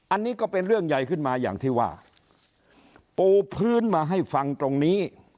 อันนี้ก็เป็นเรื่องใหญ่ขึ้นมาอย่างที่ว่าปูพื้นมาให้ฟังตรงนี้